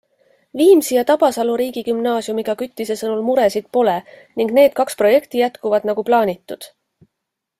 Viimsi ja Tabasalu riigigümnaasiumiga Küttise sõnul muresid pole ning need kaks projekti jätkuvad, nagu plaanitud.